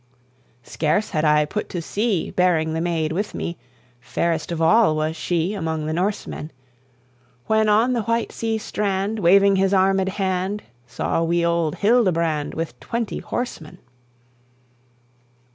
"Scarce had I put to sea, Bearing the maid with me, Fairest of all was she Among the Norsemen! When on the white sea strand, Waving his armed hand, Saw we old Hildebrand, With twenty horsemen.